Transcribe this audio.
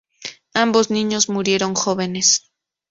Ambos niños murieron jóvenes.